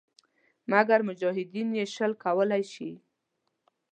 مګر مجاهدین یې شل کولای شي.